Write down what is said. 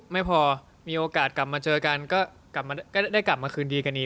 ไม่พอมีโอกาสกลับมาเจอกันก็ได้กลับมาคืนดีกันดี